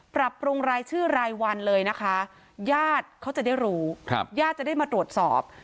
ปรับปรุงรายชื่อรายวันเลยนะคะญาติเขาจะได้รู้ญาติจะได้มาตรวจสอบ